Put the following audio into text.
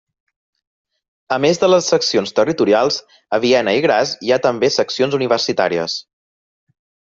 A més de les seccions territorials, a Viena i Graz hi ha també seccions universitàries.